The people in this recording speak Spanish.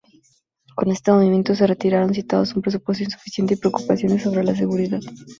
Con este movimiento, se retiraron citando un presupuesto insuficiente y preocupaciones sobre la seguridad.